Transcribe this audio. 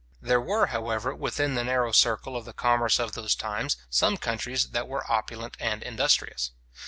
There were, however, within the narrow circle of the commerce of those times, some countries that were opulent and industrious.